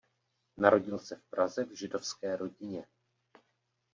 Narodil se v Praze v židovské rodině.